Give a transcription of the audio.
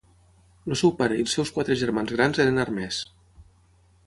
El seu pare i els seus quatre germans grans eren armers.